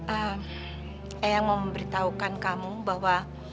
eh yang mau memberitahukan kamu bahwa